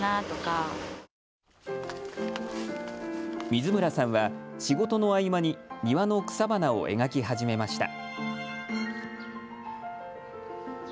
水村さんは仕事の合間に庭の草花を描き始めました。